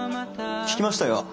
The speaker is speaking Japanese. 聞きましたよ。